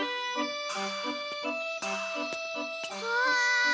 うわ！